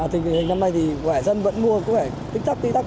thì hình như năm nay thì quẻ dân vẫn mua có vẻ tích tắc tích tắc